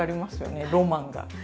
ロマンが。